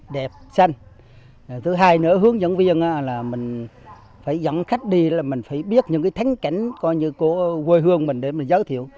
đẹp xanh thứ hai nữa hướng dẫn viên là mình phải dẫn khách đi là mình phải biết những cái thắng cảnh coi như của quê hương mình để mình giới thiệu